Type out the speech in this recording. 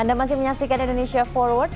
anda masih menyaksikan indonesia forward